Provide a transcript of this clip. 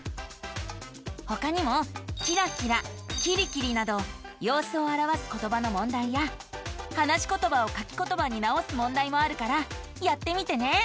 ほかにも「きらきら」「きりきり」などようすをあらわすことばのもんだいや話しことばを書きことばに直すもんだいもあるからやってみてね。